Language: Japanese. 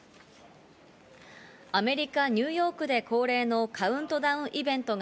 アメリカ・ニューヨークで恒例のカウントダウンイベントが